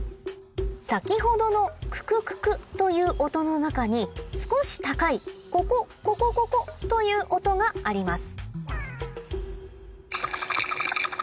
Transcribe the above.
先ほどの「ククク」という音の中に少し高い「ココココココ」という音があります